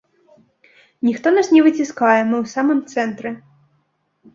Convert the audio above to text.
Ніхто нас не выціскае, мы ў самым цэнтры.